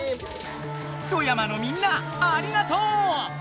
富山のみんなありがとう！